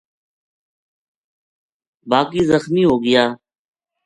باقی زخمی ہو گیا